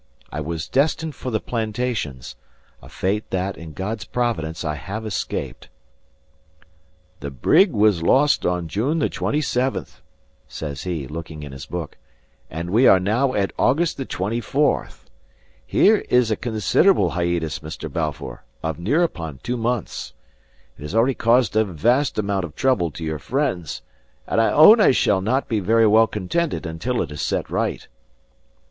I was destined for the plantations; a fate that, in God's providence, I have escaped." "The brig was lost on June the 27th," says he, looking in his book, "and we are now at August the 24th. Here is a considerable hiatus, Mr. Balfour, of near upon two months. It has already caused a vast amount of trouble to your friends; and I own I shall not be very well contented until it is set right."